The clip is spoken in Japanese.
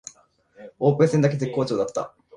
オープン戦だけ絶好調だった